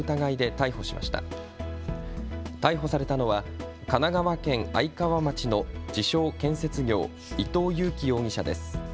逮捕されたのは神奈川県愛川町の自称建設業、伊藤裕樹容疑者です。